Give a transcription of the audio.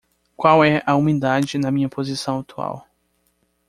Qual é a umidade na minha posição atual?